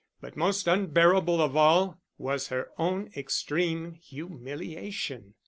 But most unbearable of all was her own extreme humiliation.